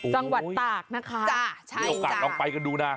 จังหวัดตากนะคะมีโอกาสลองไปกันดูนะ